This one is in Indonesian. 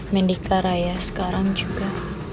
mendika raya sekarang juga